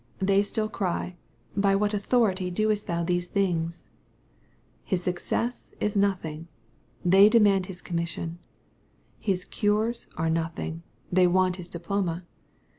They «till cry, " By what authority doest thou these things ?" His success is nothing : they demand his commission. His euros are nothing : they want his diploma.